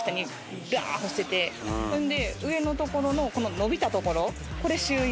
それで上の所のこの伸びた所これ秀逸！